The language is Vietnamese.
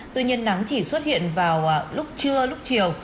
tuy nhiên nắng chỉ xuất hiện vào lúc trưa lúc chiều